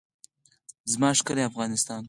زما ښکلی افغانستان.